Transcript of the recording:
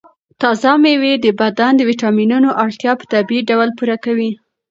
تازه مېوې د بدن د ویټامینونو اړتیا په طبیعي ډول پوره کوي.